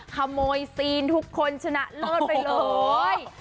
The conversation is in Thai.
ขโมยซีนทุกคนชนะเลิศไปเลย